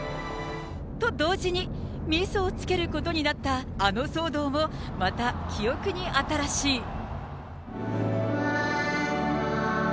と同時に、みそをつけることになった、あの騒動も、また記憶に新しい。